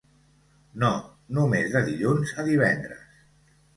No, només de dilluns a divendres.